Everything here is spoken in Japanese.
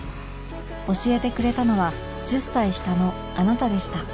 教えてくれたのは１０歳下のあなたでした